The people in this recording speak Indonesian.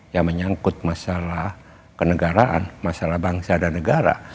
yang menyangkut masalah kenegaraan masalah bangsa dan negara